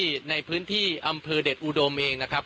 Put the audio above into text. ตอนนี้ผมอยู่ในพื้นที่อำเภอโขงเจียมจังหวัดอุบลราชธานีนะครับ